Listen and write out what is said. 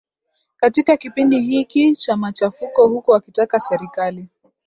katika kipindi hiki cha machafuko huku wakitaka serikali